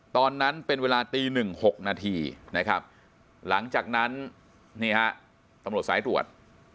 ตอนนั้นเป็นเวลาตี๑๖นาทีนะครับหลังจากนั้นนี่ฮะตำรวจสายตรวจ